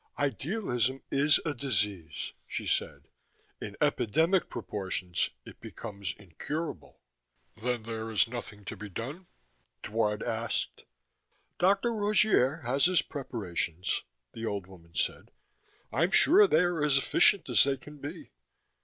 "Idealism is a disease," she said. "In epidemic proportions, it becomes incurable." "Then there is nothing to be done?" Dward asked. "Dr. Rogier has his preparations," the old woman said. "I'm sure they are as efficient as they can be.